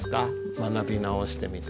学び直してみて。